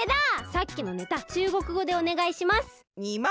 さっきのネタ中国語でおねがいします！